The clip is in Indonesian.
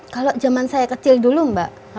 kalau zaman saya kecil dulu mbak